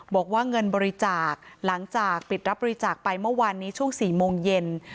บอกว่าเงินบริจาคหลังจากปิดรับบริจาคไปเมื่อวานนี้ช่วง๔โมงเย็น